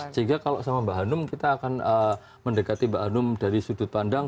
sehingga kalau sama mbak hanum kita akan mendekati mbak hanum dari sudut pandang